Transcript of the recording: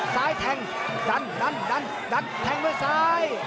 ซ้ายแทงดันดันดันดันแทงไว้ซ้าย